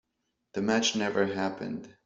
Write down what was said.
The match never happened.